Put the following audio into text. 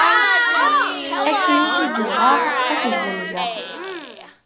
Akken i t-id-uɣeɣ, ad t-zzenzeɣ.